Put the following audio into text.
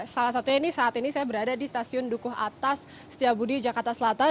salah satunya ini saat ini saya berada di stasiun dukuh atas setiabudi jakarta selatan